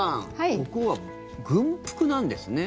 ここは軍服なんですね。